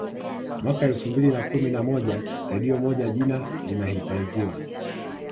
Mwaka elfu mbili na kumi na moja redio moja jina linahifadhiwa